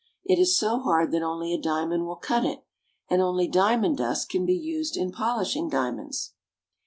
It is so hard that only a diamond will cut it, and only diamond dust can be used in polishing diamonds.